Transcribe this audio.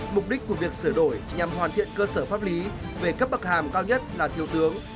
mục đích của việc sửa đổi nhằm hoàn thiện cơ sở pháp lý về cấp bậc hàm cao nhất là thiếu tướng